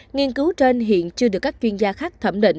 nghiên cứu trên hiện chưa được các chuyên gia khác thẩm định